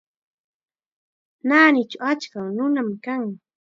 Naanichaw achka nunam kan.